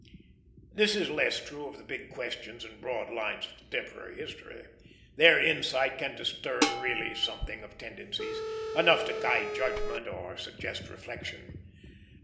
This is less true of the big questions and broad lines of contemporary history. There insight can discern really something of tendencies; enough to guide judgment or suggest reflection.